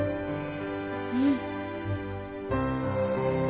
うん。